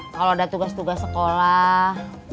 kalau ada tugas tugas sekolah